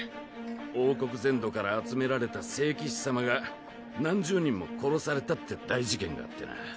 王国全土から集められた聖騎士様が何十人も殺されたって大事件があってな。